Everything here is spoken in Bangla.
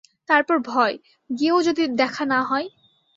তারপর ভয়, গিয়েও যদি দেখা না হয়।